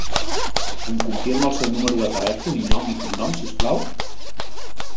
Em confirma el seu número de telèfon i nom i cognoms, si us plau?